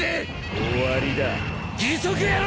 終わりだ義足野郎！